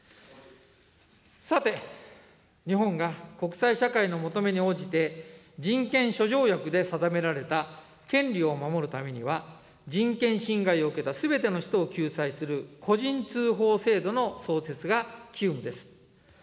さて、日本が国際社会の求めに応じて、人権諸条約で定められた権利を守るためには、人権侵害を受けたすべての人を救済する個人通報制度の創設が急務です。